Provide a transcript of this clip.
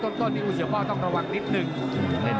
ต้นอุ๊ยเซอร์ป้อต้องระวังนิดนึง